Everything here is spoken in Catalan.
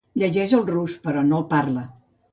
Llegeix el rus, però no el parla.